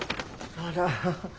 あら。